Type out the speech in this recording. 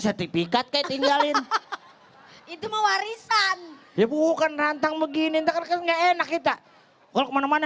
sertifikat kayak tinggalin itu mewarisan ya bukan rantang begini enak kita kalau kemana mana